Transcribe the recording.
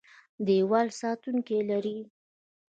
دیوال ساتونکي لري.